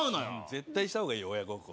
絶対した方がいいよ、親孝行。